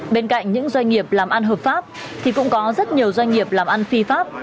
bên cạnh những doanh nghiệp làm ăn hợp pháp thì cũng có rất nhiều doanh nghiệp làm ăn phi pháp